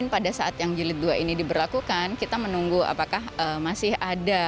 pada saat yang jilid dua ini diberlakukan kita menunggu apakah masih ada